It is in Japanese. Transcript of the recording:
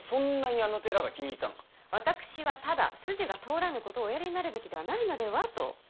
私はただ筋が通らぬことをおやりになるべきではないのではと。